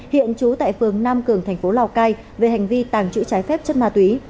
hiện trú tại phường nam cường thành phố lào cai về hành vi tàng trữ trái phép chất ma túy